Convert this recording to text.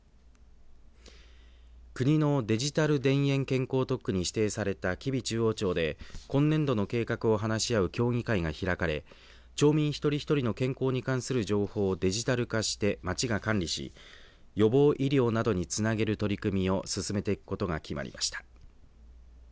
国のデジタル田園健康特区に指定された吉備中央町で今年度の計画を話し合う協議会が開かれ町民一人一人の健康に関する情報をデジタル化して町が管理し予防医療などにつなげる取り組みを進めていくことが決まりました。